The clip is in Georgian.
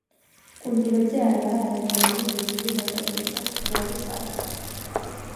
კუნძულებზე არაა არანაირი მუდმივი ნაკადული და მტკნარი წყალი.